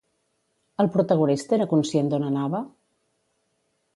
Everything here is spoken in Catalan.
El protagonista era conscient d'on anava?